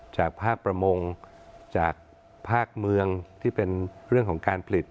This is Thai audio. จากภาคประมงจากภาคเมืองที่เป็นเรื่องของการผลิต